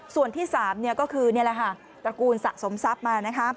ส่วนที่สามก็คือตระกูลสะสมทรัพย์มานะครับ